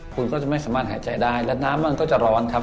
คุณก็จะไม่สามารถหายใจได้และน้ำมันก็จะร้อนครับ